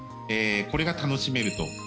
これが楽しめると。